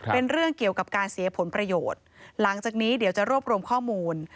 เป็นเรื่องเกี่ยวกับการเสียผลประโยชน์หลังจากนี้เดี๋ยวจะรวบรวมข้อมูล